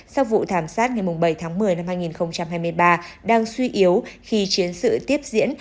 sau vụ thảm sát ngày bảy tháng một mươi năm hai nghìn hai mươi ba đang suy yếu khi chiến sự tiếp diễn